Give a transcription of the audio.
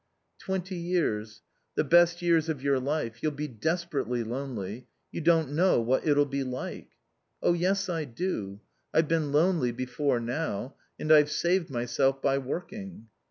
"Twenty years. The best years of your life. You'll be desperately lonely. You don't know what it'll be like." "Oh yes, I do. I've been lonely before now. And I've saved myself by working."